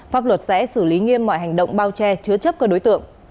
pháp luật sẽ xử lý nghiêm mọi hành động bao che chứa chấp các đối tượng